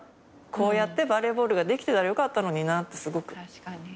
こうやってバレーボールができてたらよかったのになってすごく思って。